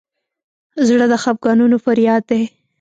زړه د خفګانونو فریاد دی.